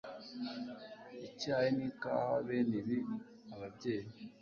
icyayi nikawa Bene ibi ababyeyi